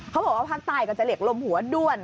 เขาบอกว่าภาคใต้ก็จะเรียกลมหัวด้วน